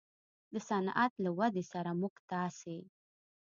د صنعت له ودې سره موږ تاسې